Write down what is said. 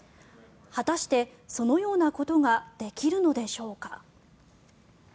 果たして、そのようなことができるのでしょうか。